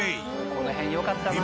この辺よかったなぁ。